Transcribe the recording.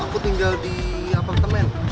aku tinggal di apel kemen